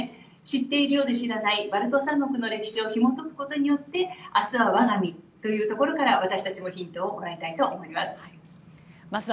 知っているようで知らないバルト三国の歴史をひも解くことによって明日は我が身というところから私たちもヒントをもらいたいと思います。